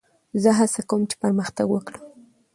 زه هڅه کوم، چي پرمختګ وکړم.